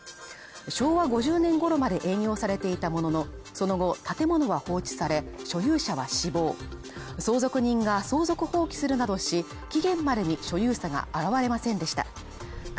昭和５０年ごろまで営業されていたものの、その後、建物は放置され、所有者は死亡相続人が相続放棄するなどし、期限までに所有者が現れませんでした。